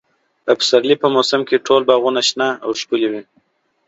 د پسرلي په موسم کې ټول باغونه شنه او ښکلي وي.